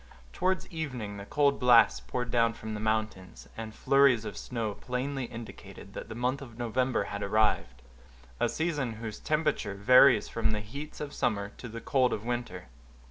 Towards evening the cold blasts poured down from the mountains, and flurries of snow plainly indicated that the month of November had arrived; a season whose temperature varies from the heats of summer to the cold of winter.